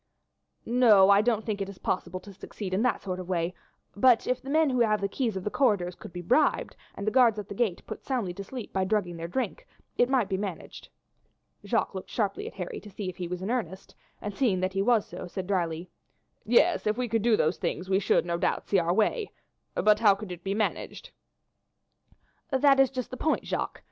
"No, I don't think it is possible to succeed in that sort of way; but if the men who have the keys of the corridors could be bribed, and the guard at the gate put soundly to sleep by drugging their drink, it might be managed." Jacques looked sharply at Harry to see if he was in earnest, and seeing that he was so, said drily: "Yes, if we could do those things we should, no doubt, see our way; but how could it be managed?" "That is just the point, Jacques.